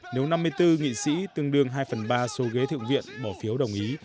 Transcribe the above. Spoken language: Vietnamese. nếu năm mươi bốn nghị sĩ tương đương hai phần ba số ghế thượng viện bỏ phiếu đồng ý